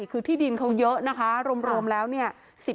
คือที่ดินเขาเยอะนะคะรวมแล้วเนี่ย